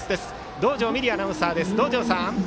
道上美璃アナウンサーです。